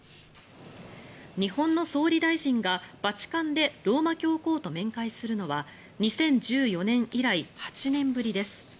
日本の総理大臣が、バチカンでローマ教皇と面会するのは２０１４年以来８年ぶりです。